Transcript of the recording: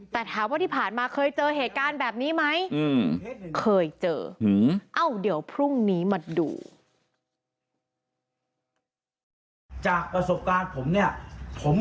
แต่ถามว่าที่ผ่านมาเคยเจอเหตุการณ์แบบนี้ไหม